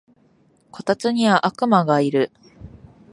こたつには悪魔がいる